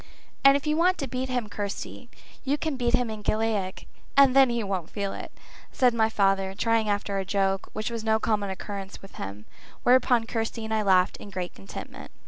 "And if you want to beat him, Kirsty, you can beat him in Gaelic, and then he won't feel it," said my father, trying after a joke, which was no common occurrence with him, whereupon Kirsty and I laughed in great contentment.